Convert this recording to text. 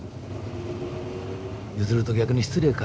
譲ると逆に失礼か。